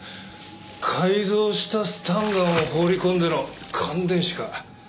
改造したスタンガンを放り込んでの感電死か。